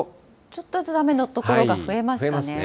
ちょっとずつ雨の所が増えますかね。